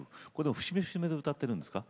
節目節目で歌ってるんですか？